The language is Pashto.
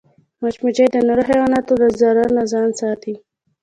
مچمچۍ د نورو حیواناتو له ضرر نه ځان ساتي